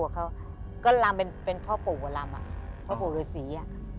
ก็ลำเป็นพ่อปู่หมอล้อโยซี